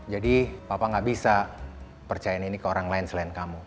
jadi papa gak bisa percaya ini ke orang lain selain kamu